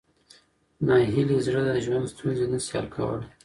ناهیلي زړه د ژوند ستونزې نه شي حل کولی.